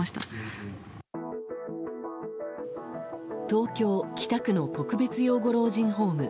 東京・北区の特別養護老人ホーム